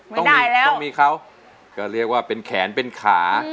ต้องมีแล้วต้องมีเขาก็เรียกว่าเป็นแขนเป็นขา